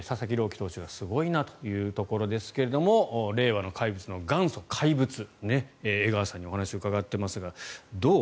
希投手がすごいなというところですが令和の怪物の元祖怪物、江川さんにお話を伺っていますがどう？